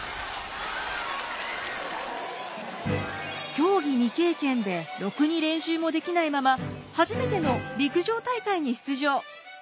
競技未経験でろくに練習もできないまま初めての陸上大会に出場。